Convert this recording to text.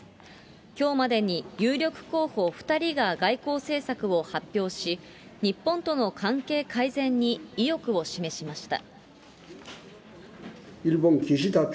きょうまでに有力候補２人が外交政策を発表し、日本との関係改善に意欲を示しました。